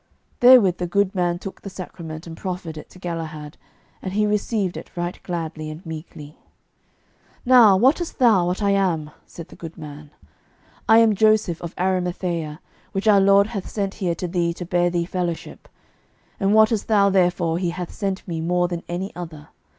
Therewith the good man took the sacrament and proffered it to Galahad, and he received it right gladly and meekly. "Now, wotest thou what I am?" said the good man; "I am Joseph of Arimathea, which our Lord hath sent here to thee to bear thee fellowship. And wotest thou wherefore He hath sent me more than any other?